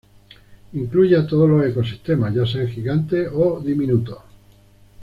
Incluye a todos los ecosistemas, ya sean gigantes o diminutos.